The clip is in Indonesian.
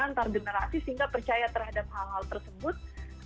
antar generasi sehingga percaya terhadap hal hal tersebut